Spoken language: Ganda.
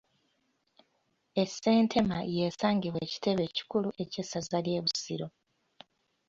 E Ssentema y’esangibwa ekitebe ekikulu eky’essaza ly’e Busiro.